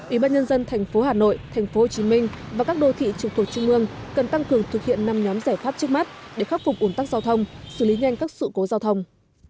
ủy ban nhân dân thành phố hà nội thành phố hồ chí minh và các đô thị trục thuộc trung ương cần tăng cường thực hiện năm nhóm giải pháp trước mắt để khắc phục ổn tắc giao thông xử lý nhanh các sự cố giao thông